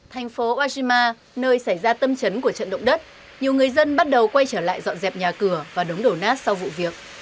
thành phố ojima nơi xảy ra tâm trấn của trận động đất nhiều người dân bắt đầu quay trở lại dọn dẹp nhà cửa và đống đổ nát sau vụ việc